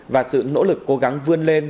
và sự nỗ lực cố gắng vươn lên